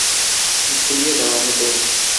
ঝুলিয়ে দেওয়া হতো।